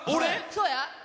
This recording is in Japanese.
そうや。